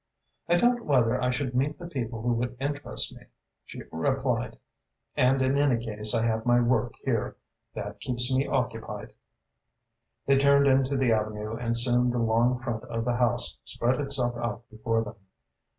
"I doubt whether I should meet the people who would interest me," she replied, "and in any case I have my work here. That keeps me occupied." They turned into the avenue and soon the long front of the house spread itself out before them.